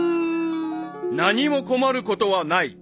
［何も困ることはない］